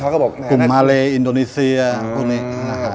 เขาบอกกลุ่มมาเลอินโดนีเซียพวกนี้นะครับ